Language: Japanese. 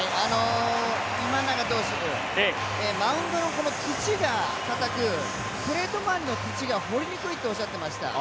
今永投手マウンドの土が硬くプレート周りの土が掘りにくいとおっしゃっていました。